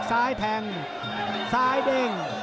ซ้ายแทงซ้ายเด้ง